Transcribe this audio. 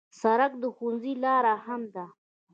سړک د ښوونځي لار هم ده.